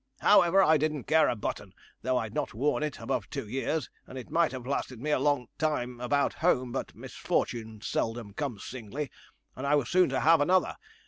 'However, I didn't care a button, though I'd not worn it above two years, and it might have lasted me a long time about home; but misfortunes seldom come singly, and I was soon to have another.